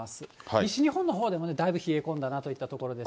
西日本のほうでももうだいぶ冷え込んだなといったところです。